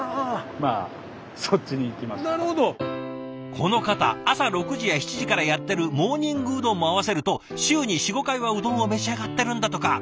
この方朝６時や７時からやってるモーニングうどんも合わせると週に４５回はうどんを召し上がってるんだとか。